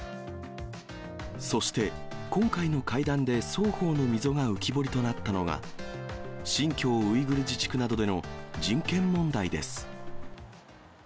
そして今回の会談で双方の溝が浮き彫りとなったのは、新疆ウイグル自治区などでの人権問題です。